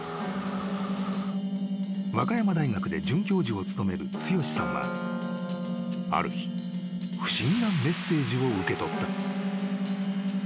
［和歌山大学で准教授を務める剛志さんはある日不思議なメッセージを受け取った］